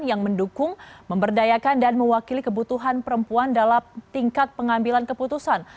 yang mendukung memberdayakan dan mewakili kebutuhan perempuan dalam tingkat pengambilan keputusan